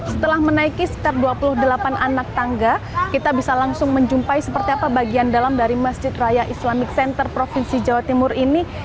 setelah menaiki sekitar dua puluh delapan anak tangga kita bisa langsung menjumpai seperti apa bagian dalam dari masjid raya islamic center provinsi jawa timur ini